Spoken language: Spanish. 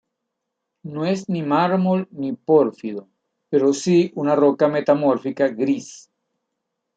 No es ni mármol ni pórfido pero sí una roca metamórfica gris.